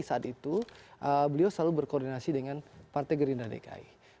saat itu beliau selalu berkoordinasi dengan partai gerindra dki